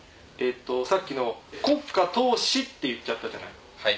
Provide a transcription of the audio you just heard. さっきの「国家とうし」って言っちゃったじゃない。